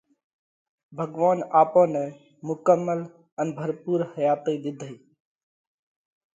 ڀڳوونَ آپون نئہ مُڪمل ان ڀرپُور حياتئِي ۮِيڌئيه۔